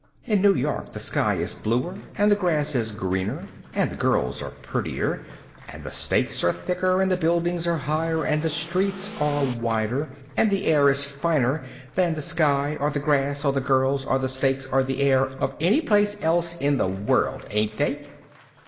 In New York the sky is bluer, and the grass is greener, and the girls are prettier, and the steaks are thicker, and the buildings are higher, and the streets are wider, and the air is finer, than the sky, or the grass, or the girls, or the steaks, or the air of any place else in the world. Ain't they?"